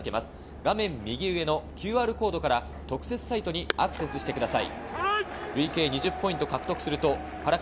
画面右上のＱＲコードから特設サイトにアクセスしてください。